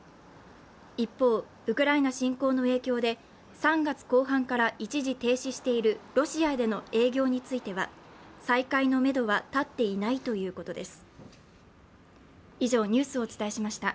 一方、ウクライナ侵攻の影響で３月後半から一時停止しているロシアでの営業については、再開のめどは立っていないということです。